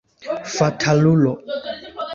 Fatalulo!